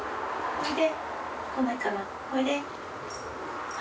おいで！